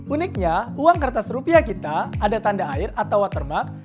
uniknya uang kertas rupiah kita ada tanda air atau watermark